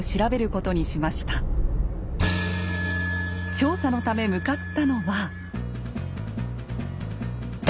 調査のため向かったのは。